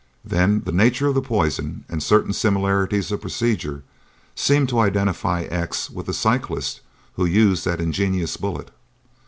Then the nature of the poison and certain similarities of procedure seem to identify X with the cyclist who used that ingenious bullet.